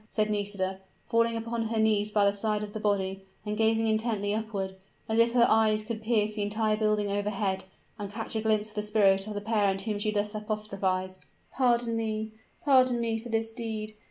said Nisida, falling upon her knees by the side of the body, and gazing intently upward as if her eyes could pierce the entire building overhead, and catch a glimpse of the spirit of the parent whom she thus apostrophized "pardon me pardon me for this deed!